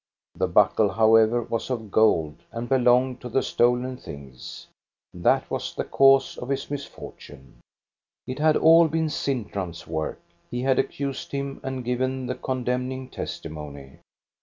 The buckle, however, was of gold, and belonged to the stolen things; that was the cause of his misfortune. It had all been Sintram's work. He had accused him, and given the con demning testimony.